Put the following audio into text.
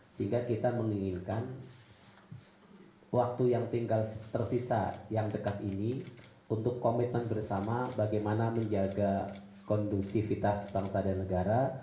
sehingga kita menginginkan waktu yang tinggal tersisa yang dekat ini untuk komitmen bersama bagaimana menjaga kondusivitas bangsa dan negara